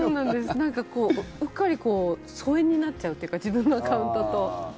なんかこう、うっかり疎遠になっちゃうというか自分のアカウントと。